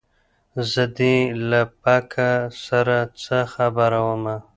زه دې له پکه سره څه خبره ومه